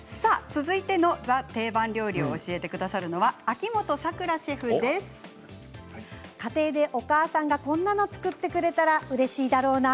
続いてのＴＨＥ定番料理を教えてくださる家庭でお母さんがこんなの作ってくれたらうれしいだろうな